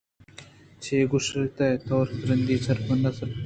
چے گوٛشتئے تو؟ ترٛندی نا سرپدی